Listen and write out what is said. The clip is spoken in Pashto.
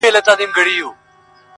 ماته دي د سر په بيه دوه جامه راکړي دي.